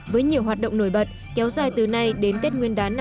với nhiều hoạt động nổi bật kéo dài từ nay đến tết nguyên đán năm hai nghìn hai mươi